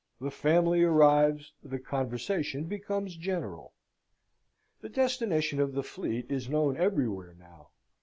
The family arrives; the conversation becomes general. The destination of the fleet is known everywhere now.